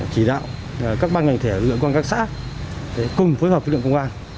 chỉ đạo các ban ngành thể lưu ẩn quan các xã cùng phối hợp với lượng công an